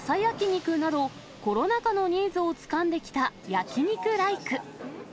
肉など、コロナ禍のニーズをつかんできた焼肉ライク。